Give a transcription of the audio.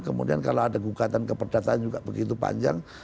kemudian kalau ada gugatan keperdataan juga begitu panjang